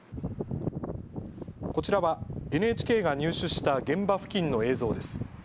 こちらはＮＨＫが入手した現場付近の映像です。